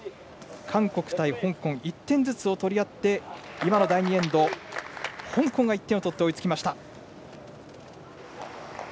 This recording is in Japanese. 韓国対香港１点ずつを取り合って今の第２エンド、香港が１点を取って追いつきました。